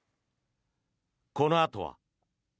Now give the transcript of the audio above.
このあとは。